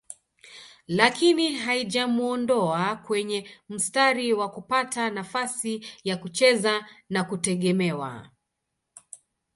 lakini haijamuondoa kwenye mstari wa kupata nafasi ya kucheza na kutegemewa